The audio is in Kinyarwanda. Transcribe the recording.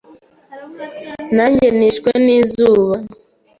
Nanjye nishwe n’izuba,